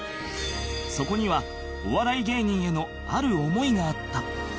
そこにはお笑い芸人へのある思いがあった